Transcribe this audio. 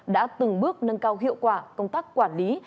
đã từng bước nâng cao hiệu quả công tác quản lý